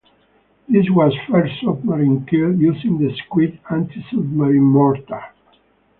This was first submarine kill using the Squid anti-submarine mortar.